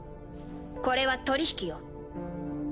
これは取り引きよ。